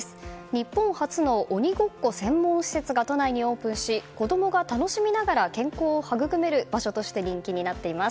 日本初の鬼ごっこ専門施設が都内にオープンし子供が楽しみながら健康を育める場所として人気になっています。